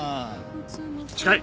近い！